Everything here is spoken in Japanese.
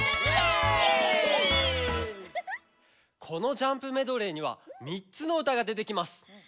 このジャンプメドレーにはみっつのうたがでてきます。